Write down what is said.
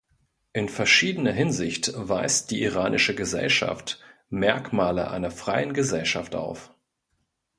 In verschiedener Hinsicht weist die iranische Gesellschaft Merkmale einer freien Gesellschaft auf.